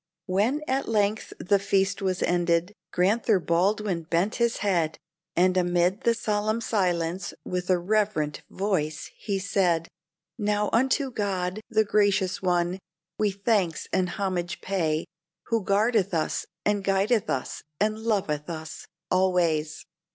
When, at length, the feast was ended, Grand'ther Baldwin bent his head, And, amid the solemn silence, with a reverent voice, he said: "Now unto God, the Gracious One, we thanks and homage pay, Who guardeth us, and guideth us, and loveth us always!